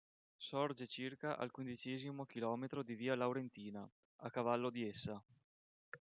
Sorge circa al quindicesimo km di via Laurentina, a cavallo di essa.